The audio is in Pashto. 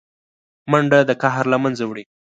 منډه د قهر له منځه وړي